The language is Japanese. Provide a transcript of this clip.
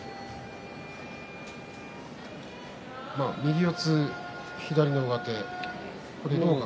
右四つ左の上手、狼雅。